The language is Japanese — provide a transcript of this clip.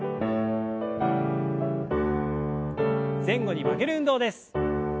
前後に曲げる運動です。